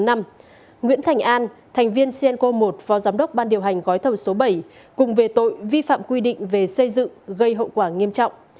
nguyễn thành an thành viên cianco một phó giám đốc ban điều hành gói thầu số bảy cùng về tội vi phạm quy định về xây dựng gây hậu quả nghiêm trọng